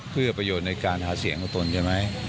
เพื่อประโยชน์ในการหาเสียงของตนใช่ไหม